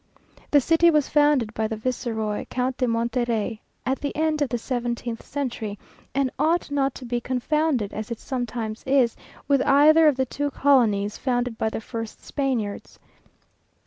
The city was founded by the Viceroy, Count de Monterey, at the end of the seventeenth century, and ought not to be confounded, as it sometimes is, with either of the two colonies founded by the first Spaniards.